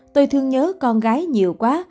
tôi thương nhớ con gái nhiều quá